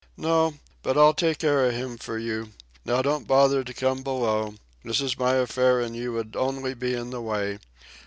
"No; but I'll take care of him for you. Now don't bother to come below. This is my affair, and you would only be in the way.